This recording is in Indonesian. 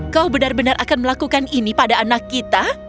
kau benar benar akan melakukan ini pada anak kita